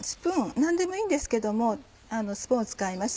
何でもいいんですけどもスプーンを使います。